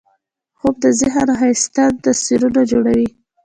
خوب د ذهن ښایسته تصویرونه جوړوي